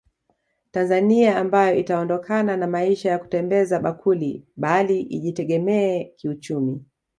Tanzania ambayo itaondokana na maisha ya kutembeza bakuli bali ijitegemee kiuchumi